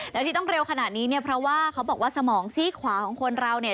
แล้วที่ต้องเร็วขนาดนี้เนี่ยเพราะว่าเขาบอกว่าสมองซี่ขวาของคนเราเนี่ย